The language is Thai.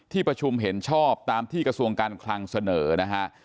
ประชุมเห็นชอบตามที่กระทรวงการคลังเสนอนะฮะ